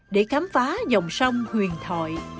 để khám phá dòng sông huyền thội